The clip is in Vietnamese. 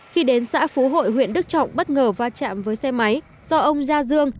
khi đến xã phú hội huyện đức trọng bất ngờ va chạm với xe máy do ông gia dương